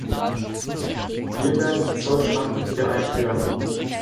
Wir werden die Zollschranken wieder einführen.